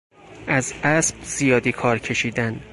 از اسب زیادی کار کشیدن